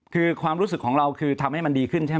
คือความรู้สึกของเราคือทำให้มันดีขึ้นใช่ไหม